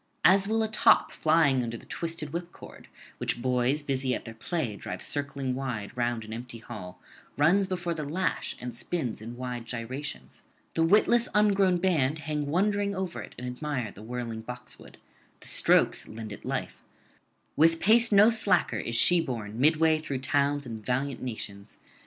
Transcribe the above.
As whilome a top flying under the twisted whipcord, which boys busy at their play drive circling wide round an empty hall, runs before the lash and spins in wide gyrations; the witless ungrown band hang wondering over it and admire the whirling boxwood; the strokes lend it life: with pace no slacker is she borne midway through towns and valiant nations.